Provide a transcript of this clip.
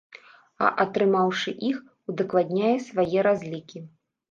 А атрымаўшы іх, удакладняе свае разлікі.